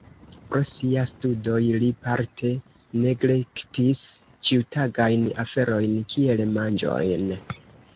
Pro siaj studoj li parte neglektis ĉiutagajn aferojn kiel manĝon.